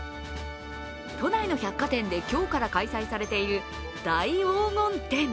都内の百貨店で今日から開催されている大黄金展。